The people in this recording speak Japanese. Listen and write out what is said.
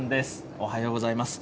おはようございます。